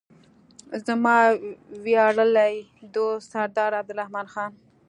زما ویاړلی دوست سردار عبدالرحمن خان.